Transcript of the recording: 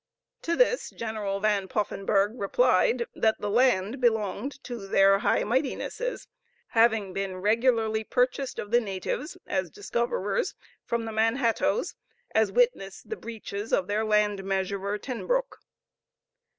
To this General Van Poffenburgh replied that the land belonged to their High Mightinesses, having been regularly purchased of the natives as discoverers from the Manhattoes, as witness the breeches of their land measurer, Ten Broeck.